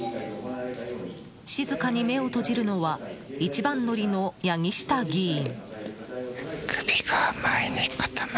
静かに目を閉じるのは一番乗りの八木下議員。